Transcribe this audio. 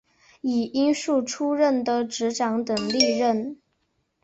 以荫叙出仕的直长等历任。